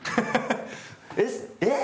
「えっええ！」